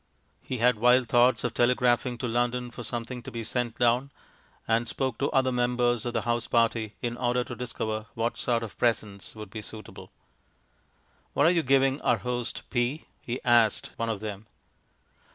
He had wild thoughts of telegraphing to London for something to be sent down, and spoke to other members of the house party in order to discover what sort of presents would be suitable. "What are you giving our host P" he asked one of them.